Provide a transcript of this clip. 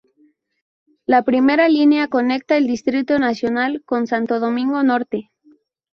La primera línea conecta el Distrito Nacional con Santo Domingo Norte.